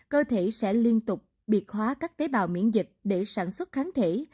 cơ thể sẽ liên tục biệt hóa các tế bào miễn dịch để sản xuất kháng thể